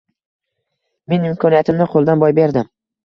Men imkoniyatimni qo`ldan boy berdim